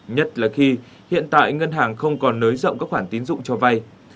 nhất là khi hiện tại ngân hàng không còn nới rộng các khoản tín dụng cho vay